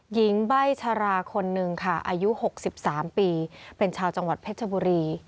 หญิงใบ้ชราคนหนึ่งค่ะอายุ๖๓ปีเป็นชาวจังหวัดเพชรบุรี